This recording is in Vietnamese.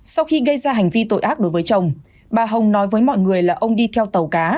sau khi gây ra hành vi tội ác đối với chồng bà hồng nói với mọi người là ông đi theo tàu cá